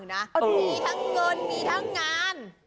เขามีทั้งเงินมีทั้งงาน